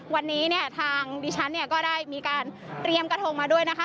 วันนี้เนี่ยทางดิฉันเนี่ยก็ได้มีการเตรียมกระทงมาด้วยนะคะ